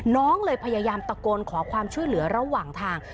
น้องเลยพยายามตะโกนขอความช่วยเหลือระหว่างทาง